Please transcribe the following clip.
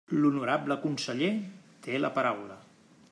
L'honorable conseller té la paraula.